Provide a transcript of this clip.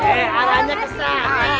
hei alahnya ke sana